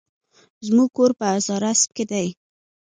زموکور په هزاراسپ کی دي